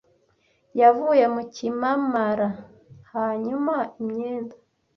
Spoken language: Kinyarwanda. yavuye mu kimamara. Hanyuma imyenda